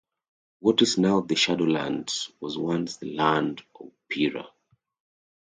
What is now the Shadowlands was once the land of Pirra.